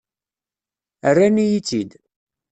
Rran-iyi-tt-id.